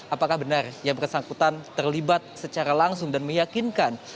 apakah benar yang bersangkutan terlibat secara langsung dan meyakinkan